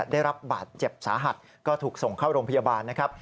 ได้รับบาดเจ็บสาหัสก็ถูกส่งเข้าโรงพยาบาลนะครับ